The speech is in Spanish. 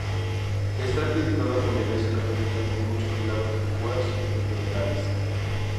Está acreditada por la Iglesia Católica con muchos milagros de curas de enfermedades.